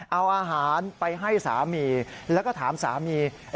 เอาอาหารไปให้สามีแล้วก็ถามสามี